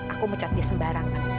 aku mecat dia sembarangan